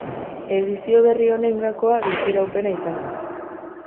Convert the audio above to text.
Edizio berri honen gakoa biziraupena izango da.